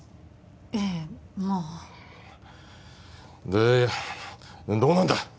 ええまあでどうなんだ？